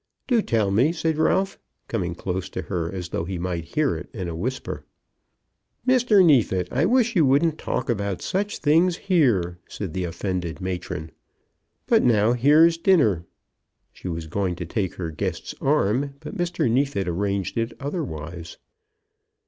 "Do tell me," said Ralph, coming close to her, as though he might hear it in a whisper. "Mr. Neefit, I wish you wouldn't talk about such things here," said the offended matron. "But now here's dinner." She was going to take her guest's arm, but Mr. Neefit arranged it otherwise.